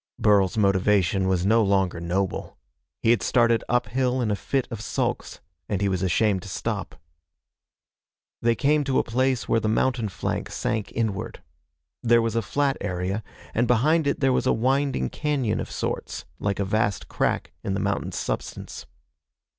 Burl's motivation was no longer noble. He had started uphill in a fit of sulks, and he was ashamed to stop. They came to a place where the mountain flank sank inward. There was a flat area, and behind it there was a winding cañon of sorts, like a vast crack in the mountain's substance.